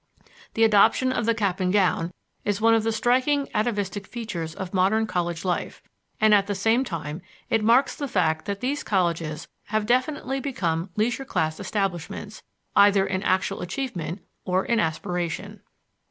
The adoption of the cap and gown is one of the striking atavistic features of modern college life, and at the same time it marks the fact that these colleges have definitely become leisure class establishments, either in actual achievement or in aspiration.